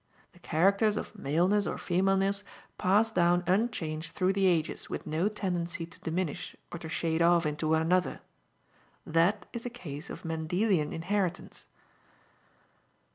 The characters of maleness or femaleness pass down unchanged through the ages with no tendency to diminish or to shade off into one another. That is a case of Mendelian inheritance."